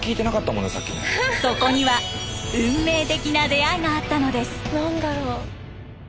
そこには運命的な出会いがあったのです。